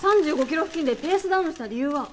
３５キロ付近でペースダウンした理由は？